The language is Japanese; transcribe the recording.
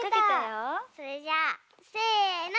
それじゃあせの！